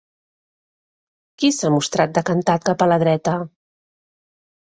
Qui s'ha mostrat decantat cap a la dreta?